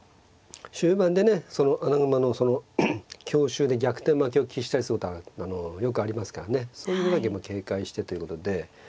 終盤でね穴熊のその強襲で逆転負けを喫したりすることはよくありますからねそういうのは警戒してということで。